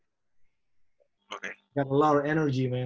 saya punya banyak energi ya